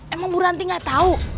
emang bu ranti gak tau